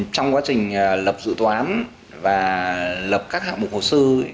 trong quá trình lập dự toán và lập các hạng mục hồ sơ